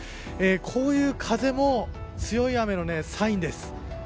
こういう風も強い雨のサインです。